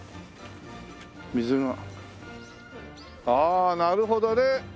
ああなるほどね。